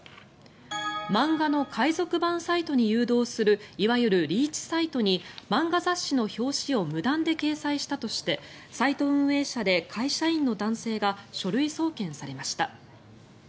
漫画の海賊版サイトに誘導するいわゆるリーチサイトに漫画雑誌の表紙を無断で掲載したとしてサイト運営者で会社員の男性が書類送検されました。